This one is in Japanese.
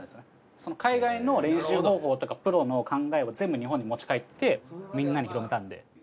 その海外の練習方法とかプロの考えを全部日本に持ち帰ってみんなに広めたんで。